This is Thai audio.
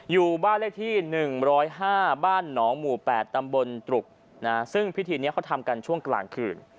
อยู่บ้านเลขที่๑๐๕บ้านหนองหมู่๘ตำบลตรุกซึ่งพิธีนี้เขาทำกันช่วงกลางคืน